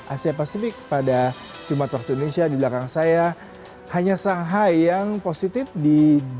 asia pasifik pada jumat waktu indonesia di belakang saya hanya shanghai yang positif di tiga satu ratus tujuh puluh tujuh